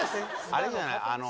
あれじゃない？